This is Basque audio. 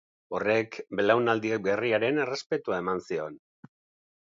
Horrek belaunaldi berriaren errespetua eman zion.